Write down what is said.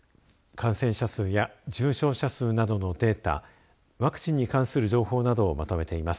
感染者数や重症者数などのデータワクチンに関する情報などをまとめています。